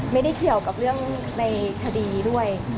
ไม่ได้เกี่ยวกับเรื่องในคดีด้วย